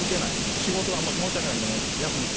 仕事は申し訳ないけど休む。